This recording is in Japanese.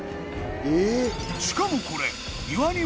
［しかもこれ庭に］